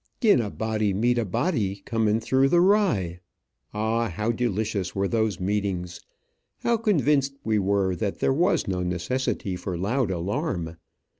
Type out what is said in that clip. "Gin a body meet a body comin' through the rye." Ah, how delicious were those meetings! How convinced we were that there was no necessity for loud alarm!